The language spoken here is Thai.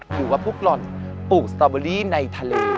คือว่าพลุกรถปลูกสตรอบอบออนด์ในทะเล